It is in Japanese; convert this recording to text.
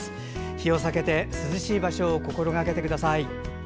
日を避けて涼しい場所を心がけてください。